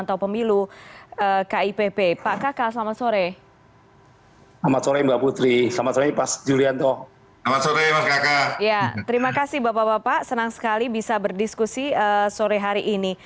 terima kasih bapak bapak senang sekali bisa berdiskusi sore hari ini